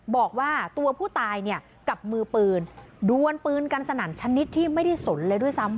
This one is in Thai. บอกว่าตัวผู้ตายเนี่ยกับมือปืนดวนปืนกันสนั่นชนิดที่ไม่ได้สนเลยด้วยซ้ำ